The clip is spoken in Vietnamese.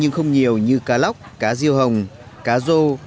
nhưng không nhiều như cá lóc cá riêu hồng cá rô